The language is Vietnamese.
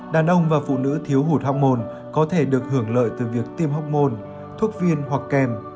đàn ông và phụ nữ thiếu hụt học môn có thể được hưởng lợi từ việc tiêm hóc môn thuốc viên hoặc kèm